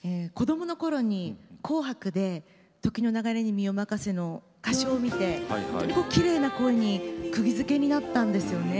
子どもの時に「紅白」で「時の流れに身をまかせ」の歌唱を見て、とてもきれいな声にくぎづけになりました。